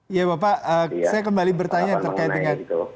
iya bapak saya kembali bertanya yang terkait dengan